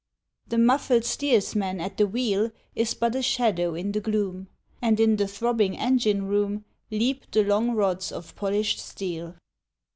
The muffled steersman at the wheel Is but a shadow in the gloom;— And in the throbbing engine room Leap the long rods of polished steel.